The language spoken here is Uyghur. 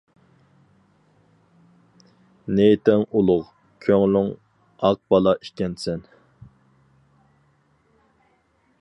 نىيىتىڭ ئۇلۇغ، كۆڭلۈڭ ئاق بالا ئىكەنسەن.